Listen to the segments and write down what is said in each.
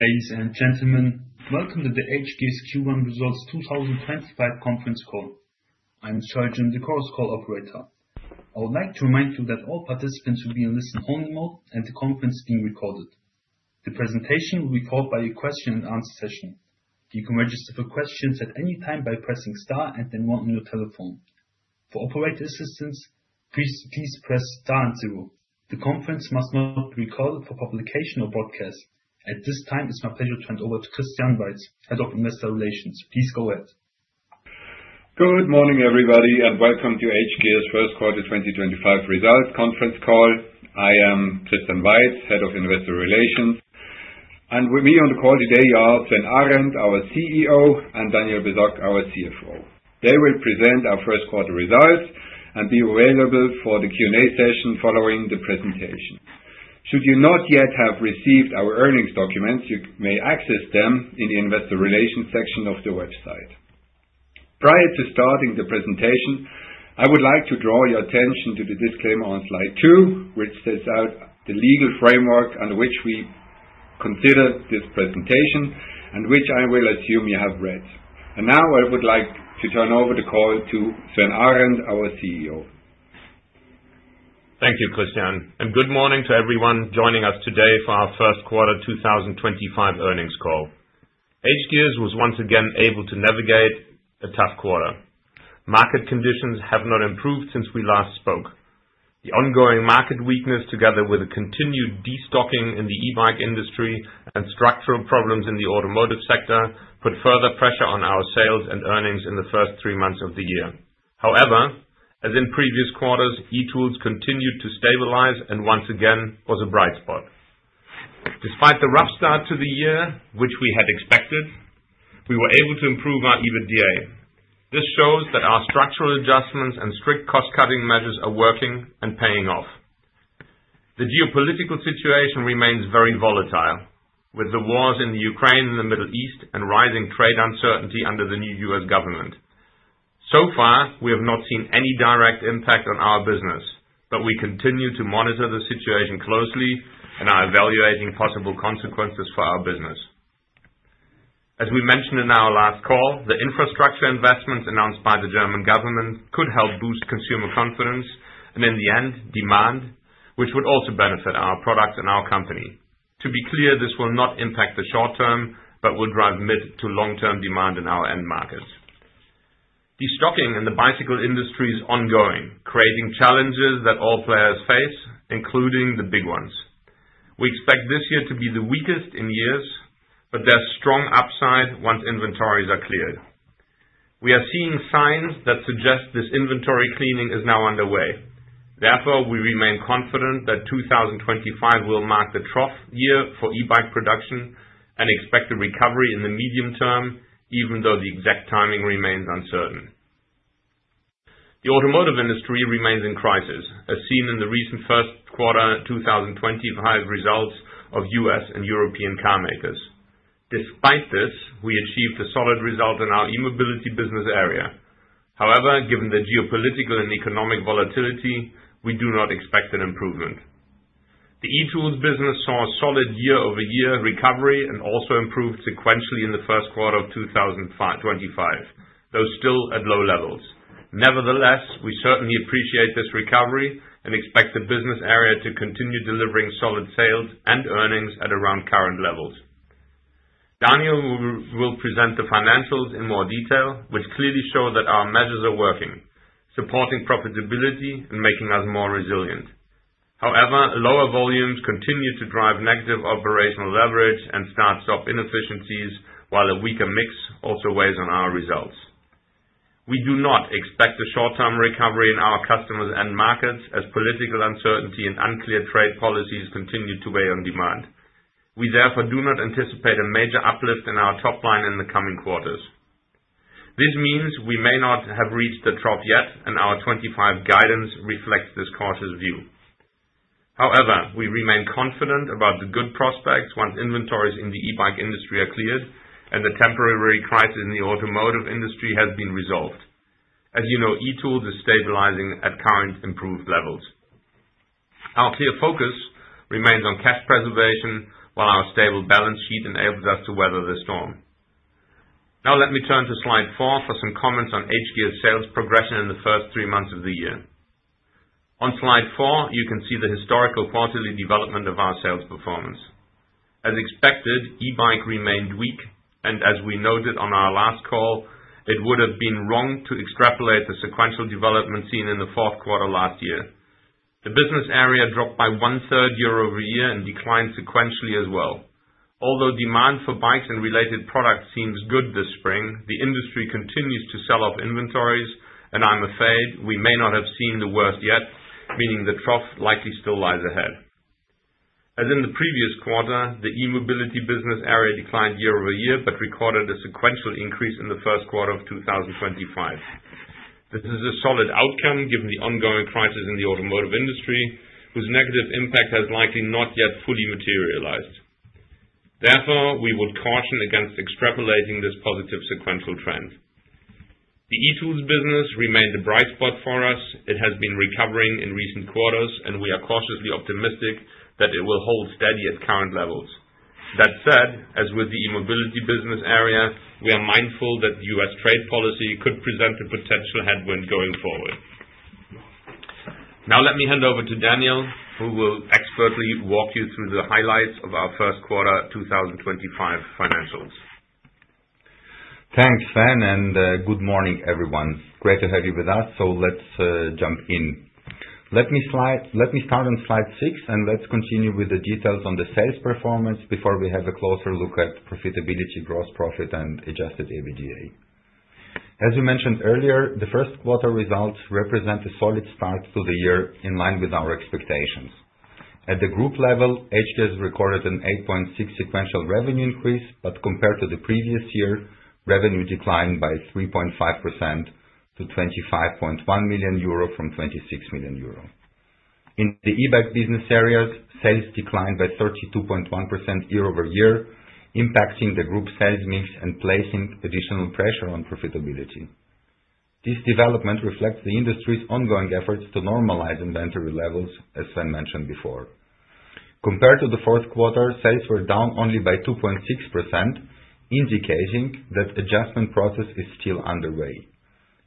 Ladies and gentlemen, welcome to the hGears Q1 Results 2025 conference call. I would like to remind you that all participants will be in listen-only mode, and the conference is being recorded. The presentation will be followed by a question-and-answer session. You can register for questions at any time by pressing star and then one on your telephone. For operator assistance, please press star and zero. The conference must not be recorded for publication or broadcast. At this time, it's my pleasure to hand over to Christian Weiz, Head of Investor Relations. Please go ahead. Good morning, everybody, and welcome to hGears' first quarter 2025 results conference call. I am Christian Weiz, Head of Investor Relations. With me on the call today are Sven Arend, our CEO, and Daniel Basok, our CFO. They will present our first quarter results and be available for the Q&A session following the presentation. Should you not yet have received our earnings documents, you may access them in the Investor Relations section of the website. Prior to starting the presentation, I would like to draw your attention to the disclaimer on slide two, which sets out the legal framework under which we consider this presentation and which I will assume you have read. I would now like to turn over the call to Sven Arend, our CEO. Thank you, Christian. Good morning to everyone joining us today for our first quarter 2025 earnings call. hGears was once again able to navigate a tough quarter. Market conditions have not improved since we last spoke. The ongoing market weakness, together with the continued destocking in the e-bike industry and structural problems in the automotive sector, put further pressure on our sales and earnings in the first three months of the year. However, as in previous quarters, e-Tools continued to stabilize, and once again, it was a bright spot. Despite the rough start to the year, which we had expected, we were able to improve our EBITDA. This shows that our structural adjustments and strict cost-cutting measures are working and paying off. The geopolitical situation remains very volatile, with the wars in Ukraine and the Middle East and rising trade uncertainty under the new U.S. government. So far, we have not seen any direct impact on our business, but we continue to monitor the situation closely and are evaluating possible consequences for our business. As we mentioned in our last call, the infrastructure investments announced by the German government could help boost consumer confidence and, in the end, demand, which would also benefit our products and our company. To be clear, this will not impact the short term but will drive mid- to long-term demand in our end markets. Destocking in the bicycle industry is ongoing, creating challenges that all players face, including the big ones. We expect this year to be the weakest in years, but there's strong upside once inventories are cleared. We are seeing signs that suggest this inventory cleaning is now underway. Therefore, we remain confident that 2025 will mark the trough year for e-bike production and expect a recovery in the medium term, even though the exact timing remains uncertain. The automotive industry remains in crisis, as seen in the recent first quarter 2025 results of U.S. and European car makers. Despite this, we achieved a solid result in our e-mobility business area. However, given the geopolitical and economic volatility, we do not expect an improvement. The e-Tools business saw a solid year-over-year recovery and also improved sequentially in the first quarter of 2025, though still at low levels. Nevertheless, we certainly appreciate this recovery and expect the business area to continue delivering solid sales and earnings at around current levels. Daniel will present the financials in more detail, which clearly show that our measures are working, supporting profitability and making us more resilient. However, lower volumes continue to drive negative operational leverage and start-stop inefficiencies, while a weaker mix also weighs on our results. We do not expect a short-term recovery in our customers and markets, as political uncertainty and unclear trade policies continue to weigh on demand. We, therefore, do not anticipate a major uplift in our top line in the coming quarters. This means we may not have reached the trough yet, and our 2025 guidance reflects this cautious view. However, we remain confident about the good prospects once inventories in the e-bike industry are cleared and the temporary crisis in the automotive industry has been resolved. As you know, e-Tools is stabilizing at current improved levels. Our clear focus remains on cash preservation, while our stable balance sheet enables us to weather the storm. Now, let me turn to slide four for some comments on hGears' sales progression in the first three months of the year. On slide four, you can see the historical quarterly development of our sales performance. As expected, e-bikes remained weak, and as we noted on our last call, it would have been wrong to extrapolate the sequential development seen in the fourth quarter last year. The business area dropped by one-third year-over-year and declined sequentially as well. Although demand for bikes and related products seems good this spring, the industry continues to sell off inventories, and I'm afraid we may not have seen the worst yet, meaning the trough likely still lies ahead. As in the previous quarter, the e-mobility business area declined year-over-year but recorded a sequential increase in the first quarter of 2025. This is a solid outcome given the ongoing crisis in the automotive industry, whose negative impact has likely not yet fully materialized. Therefore, we would caution against extrapolating this positive sequential trend. The e-Tools business remained a bright spot for us. It has been recovering in recent quarters, and we are cautiously optimistic that it will hold steady at current levels. That said, as with the e-mobility business area, we are mindful that U.S. trade policy could present a potential headwind going forward. Now, let me hand over to Daniel, who will expertly walk you through the highlights of our first quarter 2025 financials. Thanks, Sven, and good morning, everyone. Great to have you with us, so let's jump in. Let me start on slide six, and let's continue with the details on the sales performance before we have a closer look at profitability, gross profit, and adjusted EBITDA. As we mentioned earlier, the first quarter results represent a solid start to the year in line with our expectations. At the group level, hGears recorded an 8.6% sequential revenue increase, but compared to the previous year, revenue declined by 3.5% to 25.1 million euro from 26 million euro. In the e-bike business areas, sales declined by 32.1% year-over-year, impacting the group sales mix and placing additional pressure on profitability. This development reflects the industry's ongoing efforts to normalize inventory levels, as Sven mentioned before. Compared to the fourth quarter, sales were down only by 2.6%, indicating that the adjustment process is still underway.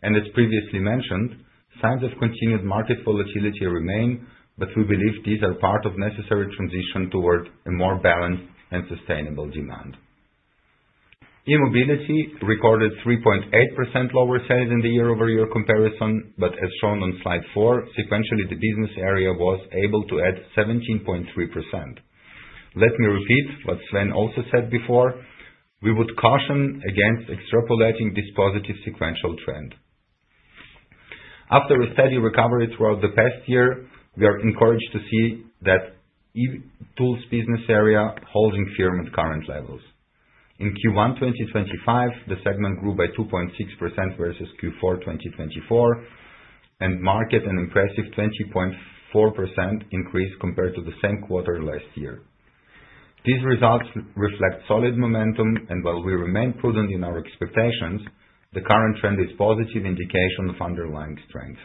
As previously mentioned, signs of continued market volatility remain, but we believe these are part of a necessary transition toward a more balanced and sustainable demand. E-mobility recorded 3.8% lower sales in the year-over-year comparison, but as shown on slide four, sequentially, the business area was able to add 17.3%. Let me repeat what Sven also said before: we would caution against extrapolating this positive sequential trend. After a steady recovery throughout the past year, we are encouraged to see that the e-Tools business area is holding firm at current levels. In Q1 2025, the segment grew by 2.6% versus Q4 2024, and marked an impressive 20.4% increase compared to the same quarter last year. These results reflect solid momentum, and while we remain prudent in our expectations, the current trend is a positive indication of underlying strength.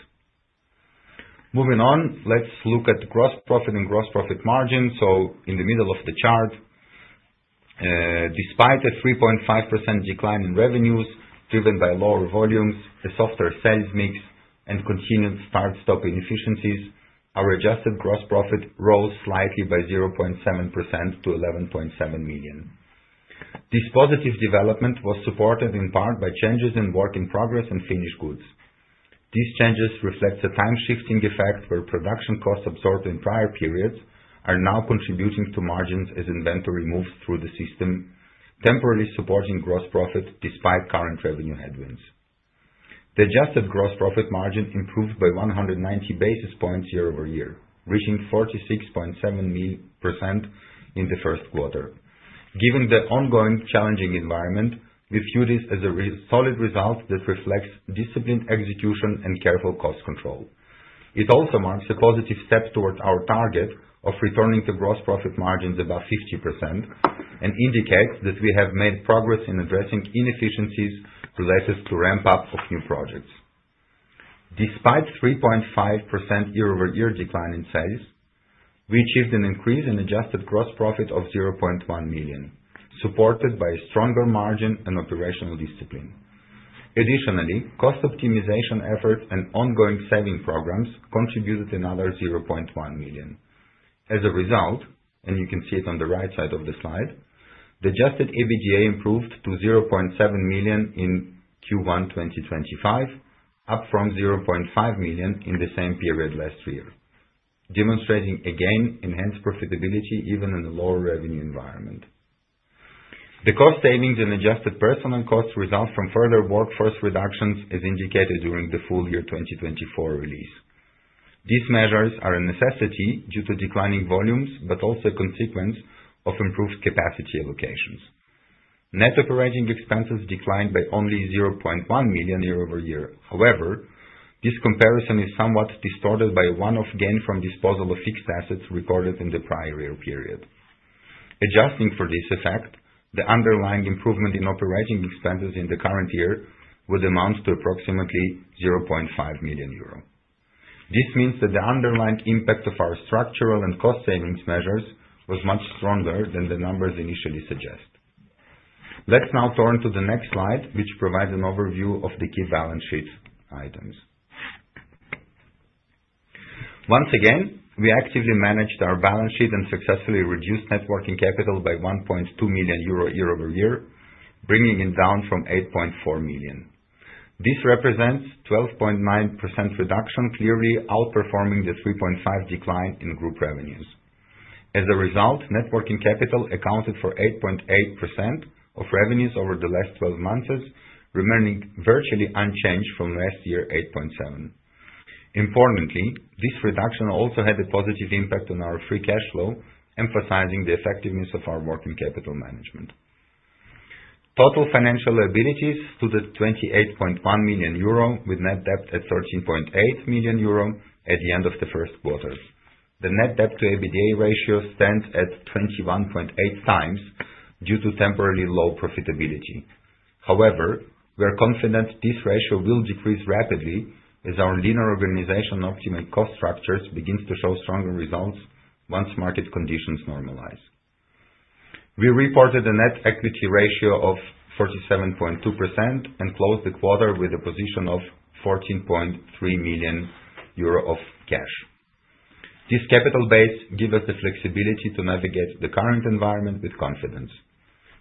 Moving on, let's look at the gross profit and gross profit margin. In the middle of the chart, despite a 3.5% decline in revenues driven by lower volumes, a softer sales mix, and continued start-stop inefficiencies, our adjusted gross profit rose slightly by 0.7% to 11.7 million. This positive development was supported in part by changes in work in progress and finished goods. These changes reflect a time-shifting effect where production costs absorbed in prior periods are now contributing to margins as inventory moves through the system, temporarily supporting gross profit despite current revenue headwinds. The adjusted gross profit margin improved by 190 basis points year-over-year, reaching 46.7% in the first quarter. Given the ongoing challenging environment, we view this as a solid result that reflects disciplined execution and careful cost control. It also marks a positive step toward our target of returning to gross profit margins above 50% and indicates that we have made progress in addressing inefficiencies related to ramp-up of new projects. Despite a 3.5% year-over-year decline in sales, we achieved an increase in adjusted gross profit of 0.1 million, supported by a stronger margin and operational discipline. Additionally, cost optimization efforts and ongoing saving programs contributed another 0.1 million. As a result, you can see it on the right side of the slide, the adjusted EBITDA improved to 0.7 million in Q1 2025, up from 0.5 million in the same period last year, demonstrating again enhanced profitability even in a lower revenue environment. The cost savings and adjusted personnel costs result from further workforce reductions, as indicated during the full year 2024 release. These measures are a necessity due to declining volumes but also a consequence of improved capacity allocations. Net operating expenses declined by only 0.1 million year-over-year. However, this comparison is somewhat distorted by a one-off gain from disposal of fixed assets recorded in the prior year period. Adjusting for this effect, the underlying improvement in operating expenses in the current year would amount to approximately 0.5 million euro. This means that the underlying impact of our structural and cost savings measures was much stronger than the numbers initially suggest. Let's now turn to the next slide, which provides an overview of the key balance sheet items. Once again, we actively managed our balance sheet and successfully reduced networking capital by 1.2 million euro year-over-year, bringing it down from 8.4 million. This represents a 12.9% reduction, clearly outperforming the 3.5% decline in group revenues. As a result, networking capital accounted for 8.8% of revenues over the last 12 months, remaining virtually unchanged from last year's 8.7%. Importantly, this reduction also had a positive impact on our free cash flow, emphasizing the effectiveness of our working capital management. Total financial abilities stood at 28.1 million euro, with net debt at 13.8 million euro at the end of the first quarter. The net debt-to-EBITDA ratio stands at 21.8 times due to temporarily low profitability. However, we are confident this ratio will decrease rapidly as our leaner organization optimal cost structures begin to show stronger results once market conditions normalize. We reported a net equity ratio of 47.2% and closed the quarter with a position of 14.3 million euro of cash. This capital base gives us the flexibility to navigate the current environment with confidence.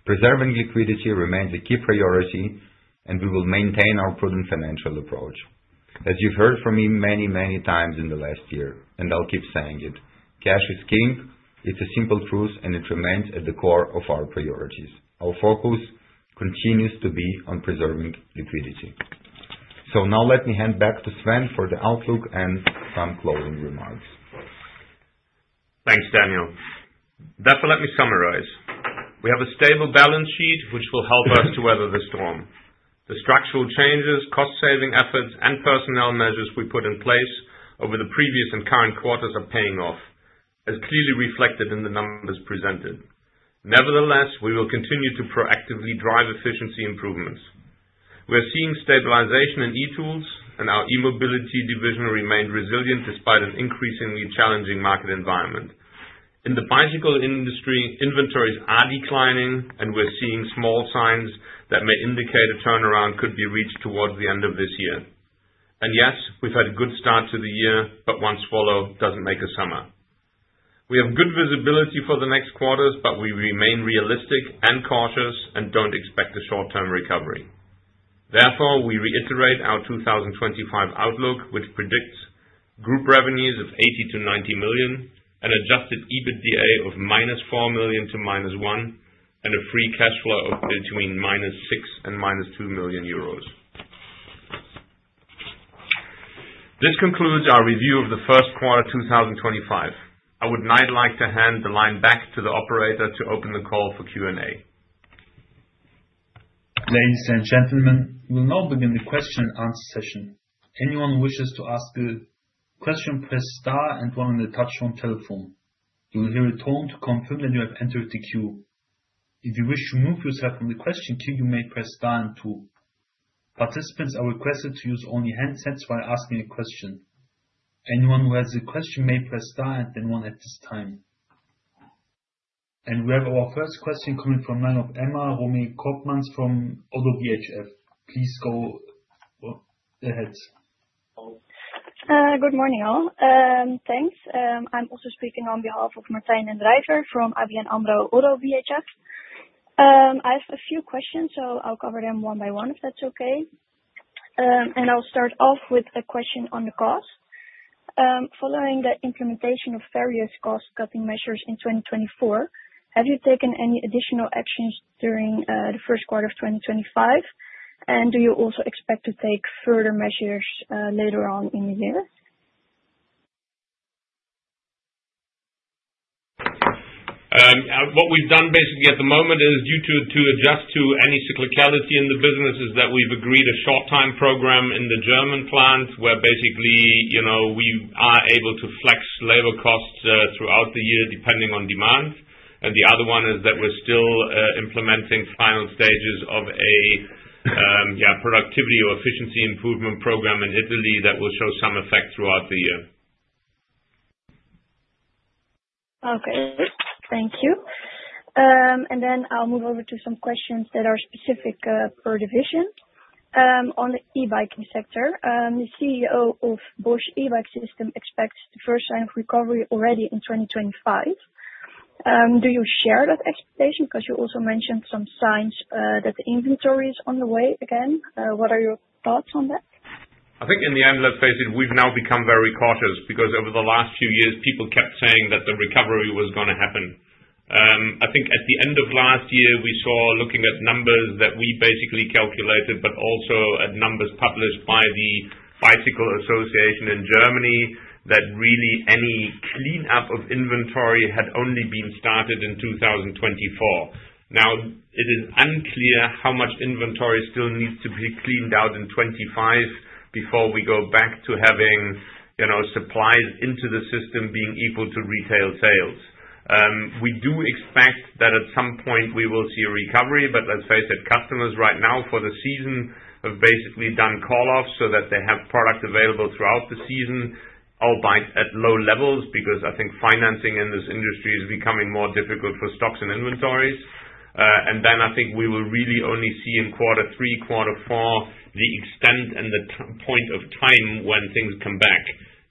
Preserving liquidity remains a key priority, and we will maintain our prudent financial approach. As you've heard from me many, many times in the last year, and I'll keep saying it, cash is king. It's a simple truth, and it remains at the core of our priorities. Our focus continues to be on preserving liquidity. Now, let me hand back to Sven for the outlook and some closing remarks. Thanks, Daniel. Therefore, let me summarize. We have a stable balance sheet, which will help us to weather the storm. The structural changes, cost-saving efforts, and personnel measures we put in place over the previous and current quarters are paying off, as clearly reflected in the numbers presented. Nevertheless, we will continue to proactively drive efficiency improvements. We are seeing stabilization in e-Tools, and our e-mobility division remained resilient despite an increasingly challenging market environment. In the bicycle industry, inventories are declining, and we're seeing small signs that may indicate a turnaround could be reached towards the end of this year. Yes, we've had a good start to the year, but one swallow does not make a summer. We have good visibility for the next quarters, but we remain realistic and cautious and do not expect a short-term recovery. Therefore, we reiterate our 2025 outlook, which predicts group revenues of 80 million-90 million, an adjusted EBITDA of -4 million to -1 million, and a free cash flow of between -6 million and -2 million euros. This concludes our review of the first quarter 2025. I would now like to hand the line back to the operator to open the call for Q&A. Ladies and gentlemen, we will now begin the question-and-answer session. Anyone who wishes to ask a question presses star and one on the touch-on telephone. You will hear a tone to confirm that you have entered the queue. If you wish to move yourself from the question queue, you may press star and two. Participants are requested to use only handsets while asking a question. Anyone who has a question may press star and then one at this time. We have our first question coming from Emma Romy Korkman from Oddo BHF. Please go ahead. Good morning, all. Thanks. I'm also speaking on behalf of Martijn den Drijver from ABN AMRO-ODDO BHF. I have a few questions, so I'll cover them one by one if that's okay. I'll start off with a question on the cost. Following the implementation of various cost-cutting measures in 2024, have you taken any additional actions during the first quarter of 2025? Do you also expect to take further measures later on in the year? What we've done basically at the moment is due to adjust to any cyclicality in the business is that we've agreed a short-time program in the German plant where basically we are able to flex labor costs throughout the year depending on demand. The other one is that we're still implementing final stages of a productivity or efficiency improvement program in Italy that will show some effect throughout the year. Okay. Thank you. I will move over to some questions that are specific per division. On the e-biking sector, the CEO of Bosch e-bike system expects the first line of recovery already in 2025. Do you share that expectation? You also mentioned some signs that the inventory is on the way again. What are your thoughts on that? I think in the end, let's face it, we've now become very cautious because over the last few years, people kept saying that the recovery was going to happen. I think at the end of last year, we saw, looking at numbers that we basically calculated, but also at numbers published by the Bicycle Association in Germany, that really any cleanup of inventory had only been started in 2024. Now, it is unclear how much inventory still needs to be cleaned out in 2025 before we go back to having supplies into the system being equal to retail sales. We do expect that at some point we will see a recovery, but let's face it, customers right now for the season have basically done call-offs so that they have product available throughout the season, albeit at low levels, because I think financing in this industry is becoming more difficult for stocks and inventories. I think we will really only see in quarter three, quarter four, the extent and the point of time when things come back.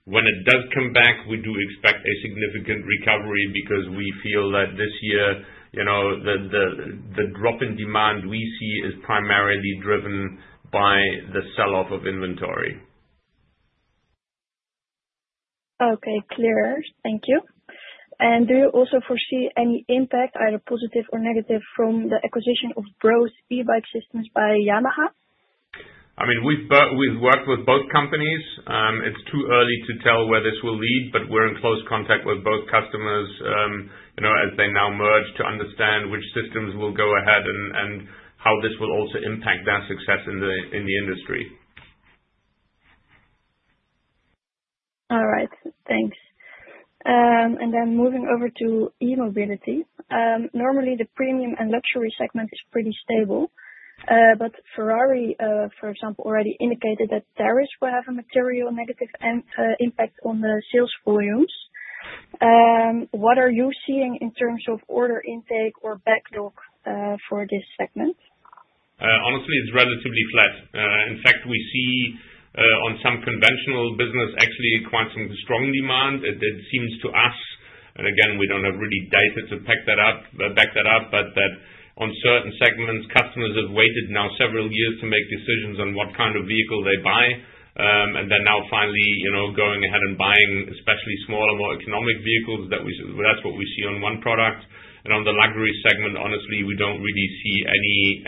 When it does come back, we do expect a significant recovery because we feel that this year the drop in demand we see is primarily driven by the selloff of inventory. Okay. Clearer. Thank you. Do you also foresee any impact, either positive or negative, from the acquisition of Brose e-bike systems by Yamaha? I mean, we've worked with both companies. It's too early to tell where this will lead, but we're in close contact with both customers as they now merge to understand which systems will go ahead and how this will also impact their success in the industry. All right. Thanks. Moving over to e-mobility. Normally, the premium and luxury segment is pretty stable, but Ferrari, for example, already indicated that tariffs will have a material negative impact on the sales volumes. What are you seeing in terms of order intake or backlog for this segment? Honestly, it's relatively flat. In fact, we see on some conventional business actually quite some strong demand. It seems to us, and again, we don't have really data to back that up, but that on certain segments, customers have waited now several years to make decisions on what kind of vehicle they buy, and they're now finally going ahead and buying especially smaller, more economic vehicles. That's what we see on one product. In the luxury segment, honestly, we don't really see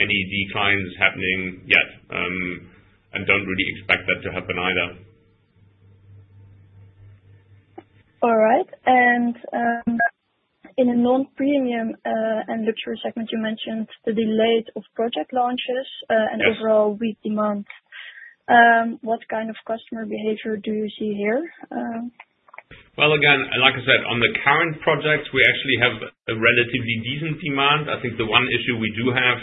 any declines happening yet and don't really expect that to happen either. All right. In the non-premium and luxury segment, you mentioned the delay of project launches and overall weak demand. What kind of customer behavior do you see here? Like I said, on the current projects, we actually have a relatively decent demand. I think the one issue we do have,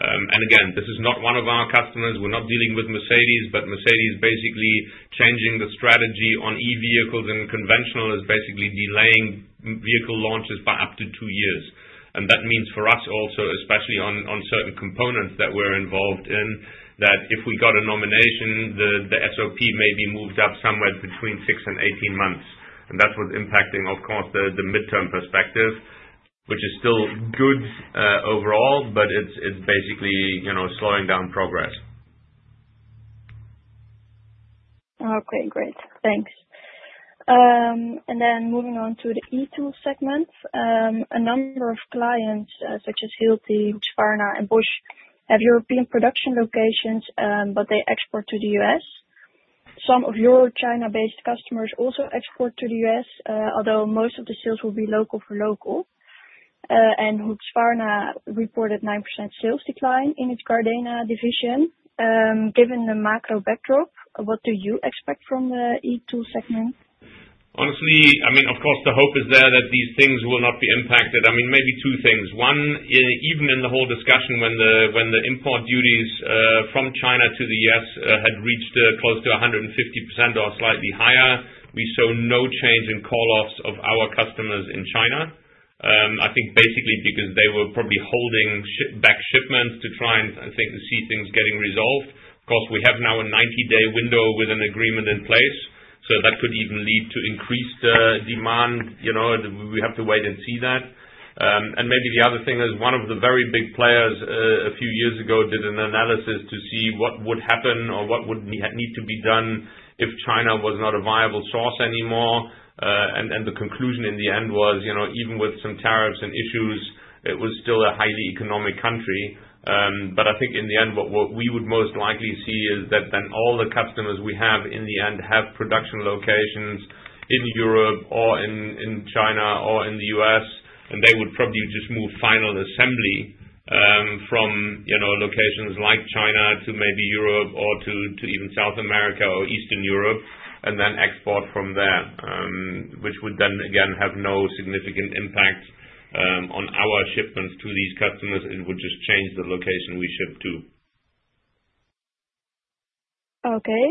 and again, this is not one of our customers. We're not dealing with Mercedes, but Mercedes basically changing the strategy on e-vehicles and conventional is basically delaying vehicle launches by up to two years. That means for us also, especially on certain components that we're involved in, that if we got a nomination, the SOP may be moved up somewhere between 6 and 18 months. That was impacting, of course, the midterm perspective, which is still good overall, but it's basically slowing down progress. Okay. Great. Thanks. Then moving on to the e-Tools segment, a number of clients such as Hilti, STIHL, and Bosch have European production locations, but they export to the U.S. Some of your China-based customers also export to the U.S., although most of the sales will be local for local. STIHL reported 9% sales decline in its Gardena division. Given the macro backdrop, what do you expect from the e-Tools segment? Honestly, I mean, of course, the hope is there that these things will not be impacted. I mean, maybe two things. One, even in the whole discussion when the import duties from China to the U.S. had reached close to 150% or slightly higher, we saw no change in call-offs of our customers in China. I think basically because they were probably holding back shipments to try and, I think, see things getting resolved. Of course, we have now a 90-day window with an agreement in place, so that could even lead to increased demand. We have to wait and see that. Maybe the other thing is one of the very big players a few years ago did an analysis to see what would happen or what would need to be done if China was not a viable source anymore. The conclusion in the end was even with some tariffs and issues, it was still a highly economic country. I think in the end, what we would most likely see is that then all the customers we have in the end have production locations in Europe or in China or in the U.S., and they would probably just move final assembly from locations like China to maybe Europe or to even South America or Eastern Europe and then export from there, which would then again have no significant impact on our shipments to these customers. It would just change the location we ship to. Okay.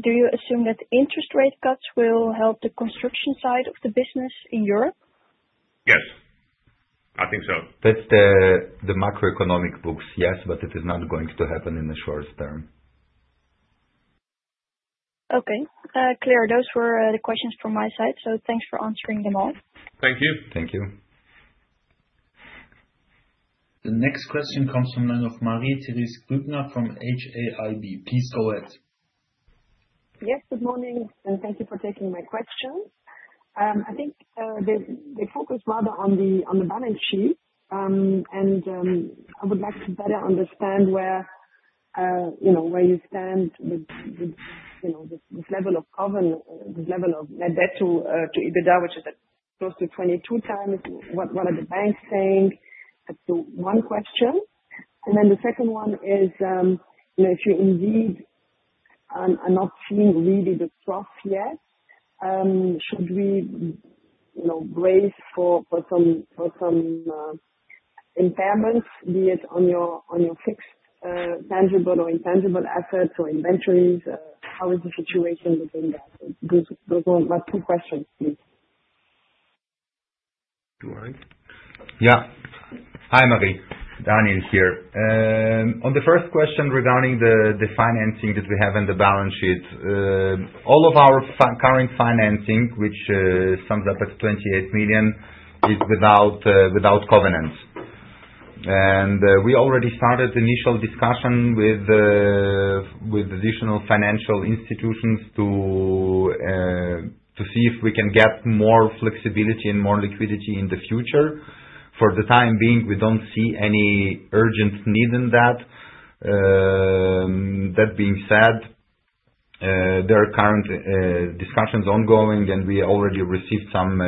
Do you assume that interest rate cuts will help the construction side of the business in Europe? Yes. I think so. That's the macroeconomic books, yes, but it is not going to happen in the short term. Okay. Clear. Those were the questions from my side, so thanks for answering them all. Thank you. Thank you. The next question comes from Marie-Therese Grubner from HAIB. Please go ahead. Yes. Good morning, and thank you for taking my question. I think they focus rather on the balance sheet, and I would like to better understand where you stand with this level of COVID, this level of net debt to EBITDA, which is close to 22 times. What are the banks saying? That is one question. The second one is if you indeed are not seeing really the cross yet, should we brace for some impairments, be it on your fixed tangible or intangible assets or inventories? How is the situation within that? Those are my two questions, please. All right. Yeah. Hi, Marie. Daniel here. On the first question regarding the financing that we have in the balance sheet, all of our current financing, which sums up at 28 million, is without covenants. We already started initial discussion with additional financial institutions to see if we can get more flexibility and more liquidity in the future. For the time being, we do not see any urgent need in that. That being said, there are current discussions ongoing, and we already received some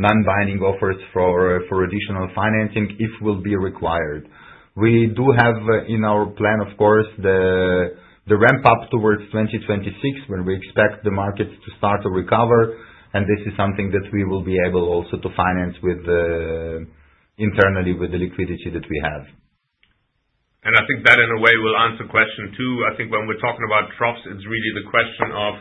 non-binding offers for additional financing if will be required. We do have in our plan, of course, the ramp-up towards 2026 when we expect the markets to start to recover, and this is something that we will be able also to finance internally with the liquidity that we have. I think that in a way will answer question two. I think when we're talking about troughs, it's really the question of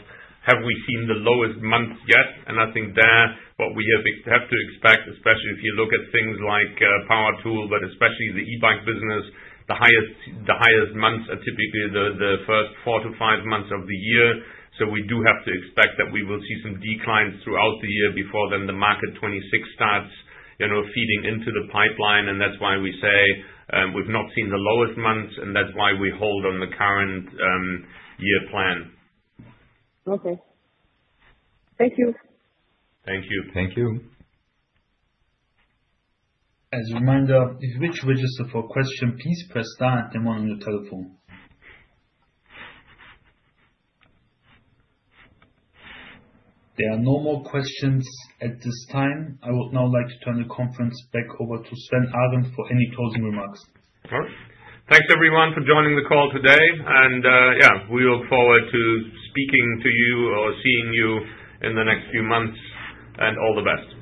have we seen the lowest month yet? I think there what we have to expect, especially if you look at things like power tool, but especially the e-bike business, the highest months are typically the first 4-5 months of the year. We do have to expect that we will see some declines throughout the year before then the market 2026 starts feeding into the pipeline, and that's why we say we've not seen the lowest months, and that's why we hold on the current year plan. Okay. Thank you. Thank you. Thank you. As a reminder, if you wish to register for a question, please press star and the one on your telephone. There are no more questions at this time. I would now like to turn the conference back over to Sven Arend for any closing remarks. Perfect. Thanks, everyone, for joining the call today. Yeah, we look forward to speaking to you or seeing you in the next few months, and all the best.